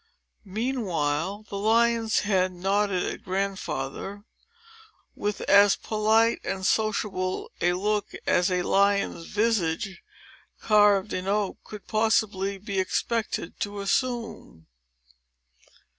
Meanwhile, the lion's head nodded at Grandfather, with as polite and sociable a look as a lion's visage, carved in oak, could possibly be expected to assume.